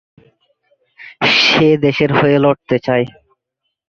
সে দেশের হয়ে লড়তে চায়।